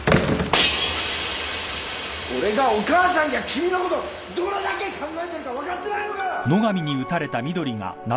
俺がお母さんや君のことどれだけ考えているか分かっていないのか！